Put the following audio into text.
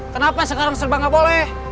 kenapa sekarang serba nggak boleh